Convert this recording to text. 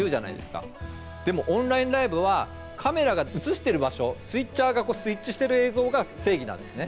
でもオンラインライブはカメラが映してる場所、スイッチしてる映像が正義なんです。